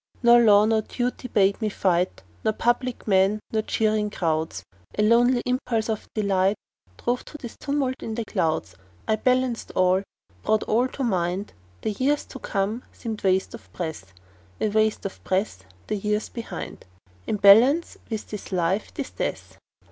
Nor law, nor duty bade me fight, Nor public men, nor cheering crowds, A lonely impulse of delight Drove to this tummult in the clouds; I balanced all, brought all to mind, The years to come seemed waste of breath, A waste of breath the years behind In balance with this life, this death.